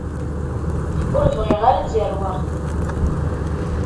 Ur bɣiɣ ara ad zerweɣ.